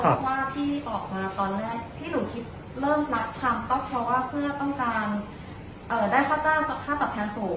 เพราะว่าที่บอกมาตอนแรกที่หนูคิดเริ่มรักทำก็เพราะว่าเพื่อต้องการได้ค่าจ้างค่าตอบแทนสูง